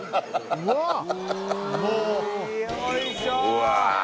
うわ